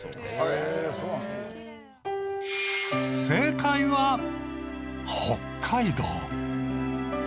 正解は北海道。